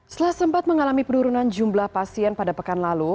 setelah sempat mengalami penurunan jumlah pasien pada pekan lalu